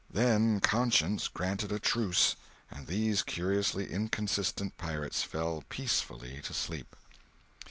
Then conscience granted a truce, and these curiously inconsistent pirates fell peacefully to sleep.